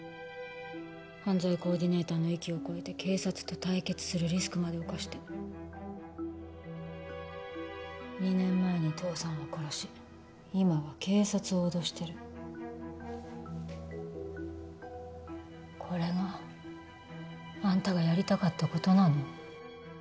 犯罪コーディネーターの域をこえて警察と対決するリスクまで冒して２年前に父さんを殺し今は警察を脅してるこれがあんたがやりたかったことなの？